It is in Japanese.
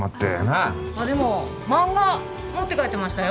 あっでも漫画持って帰ってましたよ